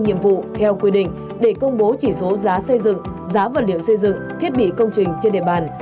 nhiệm vụ theo quy định để công bố chỉ số giá xây dựng giá vật liệu xây dựng thiết bị công trình trên địa bàn